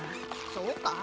そうか？